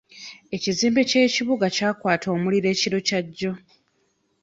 Ekizimbe ky'ekibuga kyakwata omuliro ekiro kya jjo..